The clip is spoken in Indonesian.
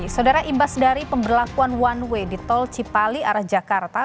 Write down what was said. saudara imbas dari pemberlakuan one way di tol cipali arah jakarta